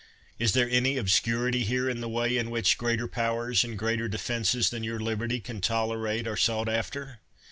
Is there any obscu rity here in the way in which greater powers and greater defenses than your liberty can tolerate are sought after?